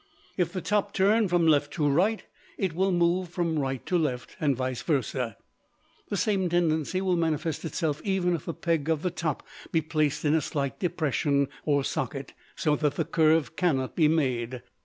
If the top turn from left to right, it will move from right to left, and vice versa. The same tendency will manifest itself even if the peg of the top be placed in a slight depression or socket, so that the curve cannot be made.